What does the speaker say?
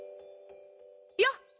よっ！